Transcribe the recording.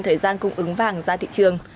thời gian cung ứng vàng ra thị trường